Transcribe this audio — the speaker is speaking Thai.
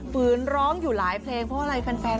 ฝืนร้องอยู่หลายเพลงเพราะอะไรแฟน